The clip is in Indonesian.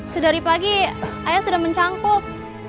sudah dari pagi ayah sudah mencangkuk